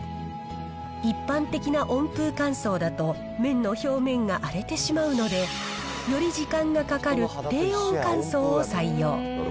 一般的な温風乾燥だと麺の表面が荒れてしまうので、より時間がかかる低温乾燥を採用。